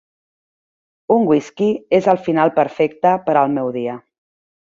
Un whisky és el final perfecte per al meu dia.